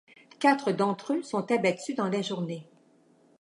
Quatre d'entre eux sont abattus dans la journée.